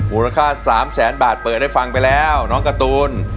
มูลค่า๓แสนบาทเปิดให้ฟังไปแล้วน้องการ์ตูน